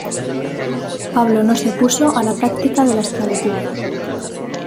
Pablo no se opuso a la práctica de la esclavitud.